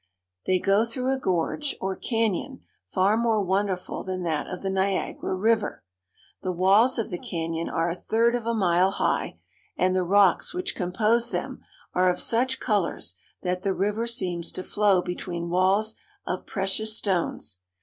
They go through a gorge, or canyon, far more wonder ful than that of the Niagara River. The walls of the canyon are a third of a mile high, and the rocks which compose them are of such colors that the river seems to flow between walls of precious stones.